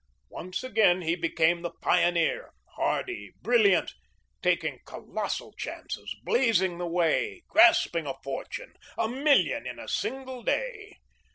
Once again he became the pioneer, hardy, brilliant, taking colossal chances, blazing the way, grasping a fortune a million in a single day.